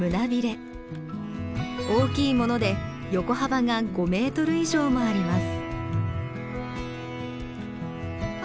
大きいもので横幅が５メートル以上もあります。